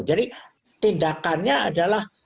jadi tindakannya adalah